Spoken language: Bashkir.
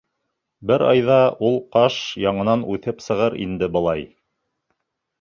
Бер айҙа ул ҡаш яңынан үҫеп сығыр инде былай.